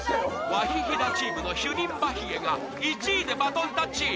ワヒヒダチームのヒュニンバヒエが１位でバトンタッチ